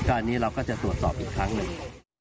อันนี้เราก็จะตรวจสอบอีกครั้งหนึ่ง